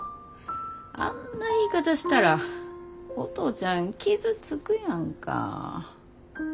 あんな言い方したらお父ちゃん傷つくやんか。